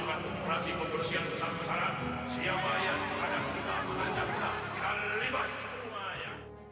sampai jumpa di video selanjutnya